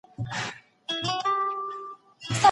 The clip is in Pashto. ړوند هلک باید له ډاره په اوږه باندي مڼه وساتي.